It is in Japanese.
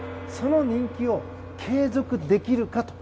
その人気を継続できるか。